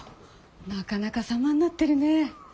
なかなか様になってるね。